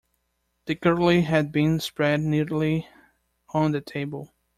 The cutlery had been spread neatly on the table.